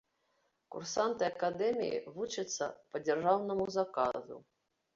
Курсанты акадэміі вучацца па дзяржаўнаму заказу.